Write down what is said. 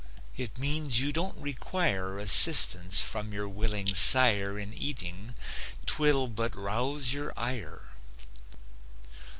It means you don't require Assistance from your willing sire In eating; 'twill but rouse your ire.